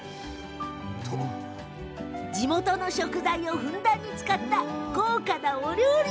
地元の食材をふんだんに使った豪華なお料理。